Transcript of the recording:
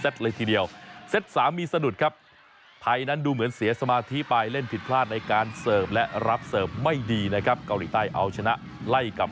สวัสดีครับสวัสดีครับ